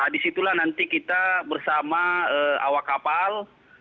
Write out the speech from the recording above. disitulah nanti kita bersama awak kapal